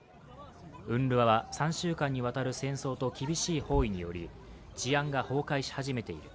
ＵＮＲＷＡは３週間にわたる戦争と厳しい包囲により治安が崩壊し始めている。